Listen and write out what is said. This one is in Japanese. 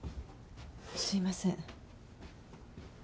すいません。